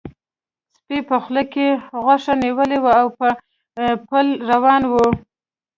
سپي په خوله کې غوښه نیولې وه او په پل روان و.